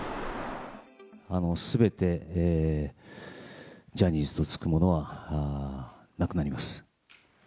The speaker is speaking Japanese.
すべて、ジャニーズとつくものはなくなります。